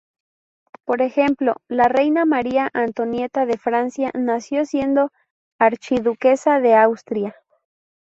Por ejemplo, la reina María Antonieta de Francia nació siendo archiduquesa de Austria.